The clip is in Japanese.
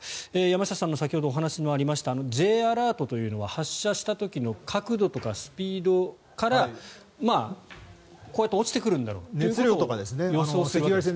山下さんの話にも先ほどありましたＪアラートというのは発射した時の角度とかスピードからこうやって落ちてくるんだろうと予測するものと。